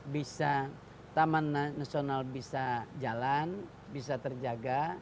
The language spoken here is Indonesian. bisa taman nasional bisa jalan bisa terjaga